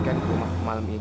kisah kamu emang siapa sih